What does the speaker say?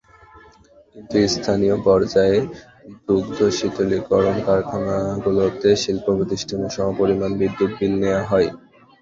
কিন্তু স্থানীয় পর্যায়ে দুগ্ধ শীতলীকরণ কারখানাগুলোতে শিল্পপ্রতিষ্ঠানের সমপরিমাণ বিদ্যুৎ বিল নেওয়া হয়।